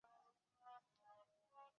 她心里十分难过